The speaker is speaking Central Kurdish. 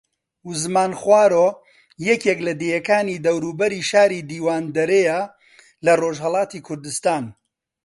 وزمان خوارۆ یەکێک لە دێکانی دەوروبەری شاری دیواندەرەیە لە ڕۆژھەڵاتی کوردستان